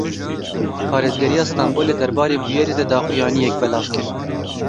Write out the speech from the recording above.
Parêzgariya Stenbolê derbarê bûyerê de daxuyaniyek belav kir.